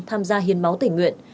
tham gia hiến máu tỉnh nguyện